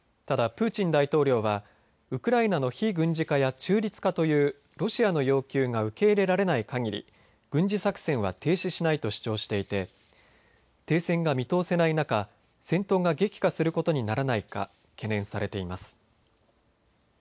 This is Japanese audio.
ただプーチン大統領はウクライナの非軍事化や中立化というロシアの要求が受け入れられないかぎり軍事作戦は停止しないと主張していて停戦が見通せない中、戦闘が激化することにならないか懸念されています。